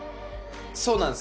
そうなんです。